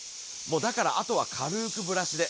だからあとは軽くブラシで。